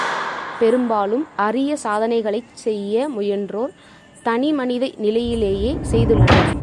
பெரும்பாலும் அரிய சாதனைகளைச் செய்ய முயன்றோர் தனி மனித நிலையிலேயே செய்துள்ளனர்.